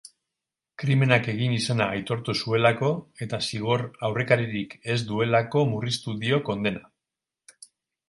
Krimenak egin izana aitortu zuelako eta zigor aurrekaririk ez duelako murriztu dio kondena.